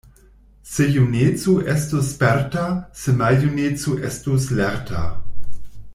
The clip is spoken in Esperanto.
Se juneco estus sperta, se maljuneco estus lerta!